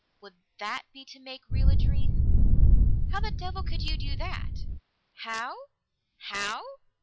Would that be to make real a dream?" "How the devil could you do that?" "How? How?